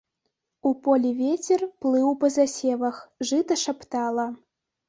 У полі вецер плыў па засевах, жыта шаптала.